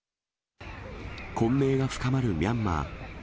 混迷が深まるミャンマー。